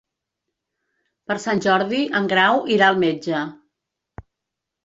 Per Sant Jordi en Grau irà al metge.